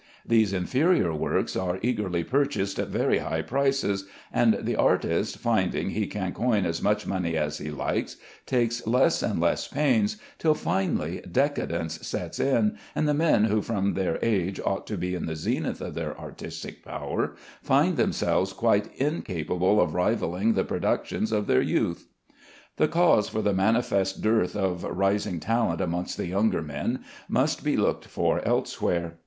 These inferior works are eagerly purchased at very high prices, and the artist, finding he can coin as much money as he likes, takes less and less pains, till finally decadence sets in, and the men who from their age ought to be in the zenith of their artistic power, find themselves quite incapable of rivalling the productions of their youth. The cause for the manifest dearth of rising talent amongst the younger men must be looked for elsewhere.